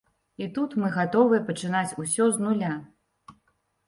І тут мы гатовыя пачынаць усё з нуля.